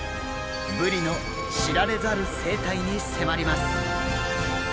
ブリの知られざる生態に迫ります。